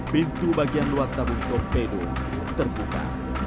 pintu bagian luar tabung torpedo terbuka